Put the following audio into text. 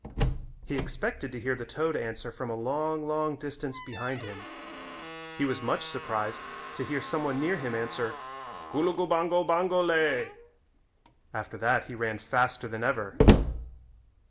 He expected to hear the toad answer from a long, long distance behind him. He was much surprised to hear some one near him answer, "Gulugubango, bango lay." After that he ran faster than ever.